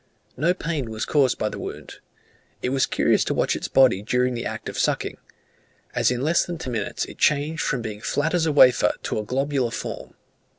No pain was caused by the wound. It was curious to watch its body during the act of sucking, as in less than ten minutes it changed from being as flat as a wafer to a globular form.